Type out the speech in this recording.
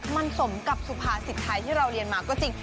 มันสมกับสุภาษิตไทยที่เราเรียนมาก็จริง